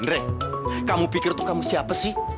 ndri kamu pikir itu kamu siapa sih